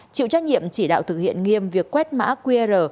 chịu trách nhiệm chỉ đạo thực hiện nghiêm việc quét mã qr